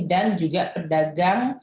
dan juga pedagang